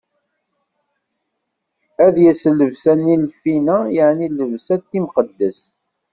Ad yels llebsa-nni n lfina, yeɛni llebsa timqeddest.